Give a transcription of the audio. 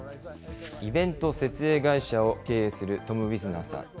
イベント設営会社を経営するトムウィズナーさん。